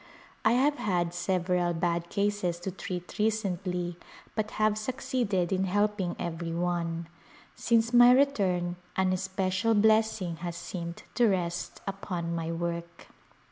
I have had several bad cases to treat recently but have succeeded in helping every one. Since my return an especial blessing has seemed to rest upon my work.